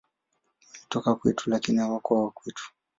Walitoka kwetu, lakini hawakuwa wa kwetu.